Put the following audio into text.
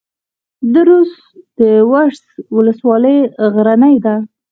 د ورس ولسوالۍ غرنۍ ده